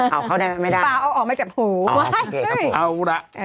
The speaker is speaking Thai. เอาออกมาจากเอยดีกับผมเอ้าล่ะ